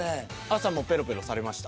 朝もペロペロされました？